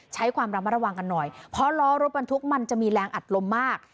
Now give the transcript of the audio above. ใช้ความระมัดระวังกันหน่อยเพราะล้อรถบรรทุกมันจะมีแรงอัดลมมาก